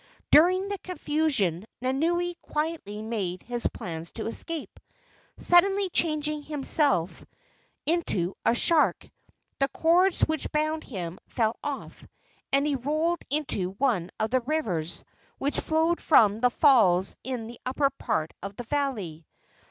During the confusion Nanaue quietly made his plans to escape. Suddenly changing himself to 6 4 LEGENDS OF GHOSTS a shark, the cords which bound him fell off and he rolled into one of the rivers which flowed from the falls in the upper part of the valley.